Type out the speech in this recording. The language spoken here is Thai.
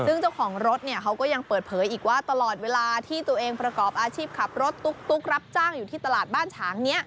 ซึ่งเจ้าของรถเขาก็ยังเปิดเผยอีกว่าตลอดเวลาที่ตัวเองประกอบอาชีพขับรถตุ๊กรับจ้างอยู่ที่ตลาดบ้านฉางนี้